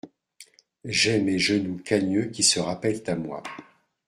j’ai mes genoux cagneux qui se rappellent à moi.